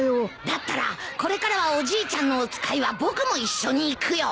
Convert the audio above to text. だったらこれからはおじいちゃんのお使いは僕も一緒に行くよ。